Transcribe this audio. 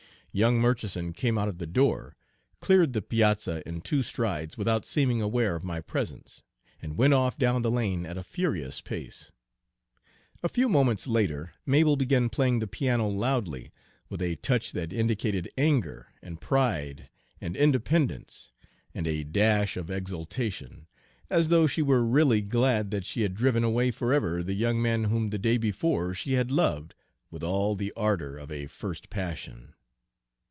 Young Murchison came out of the door, cleared the piazza in two strides without seeming aware of my presence, and went off down the lane at a furious pace. A few moments later Mabel began playing the piano loudly, with a touch that indicated anger and pride and independence and a dash of exultation, as though she were really glad that she had driven away forever the young man whom the day before she had loved with all the ardor of a first passion.